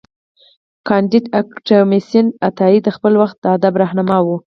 کانديد اکاډميسن عطايي د خپل وخت د ادب رهنما و.